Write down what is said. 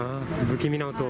不気味な音？